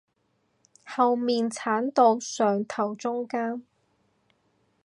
後面剷到上頭中間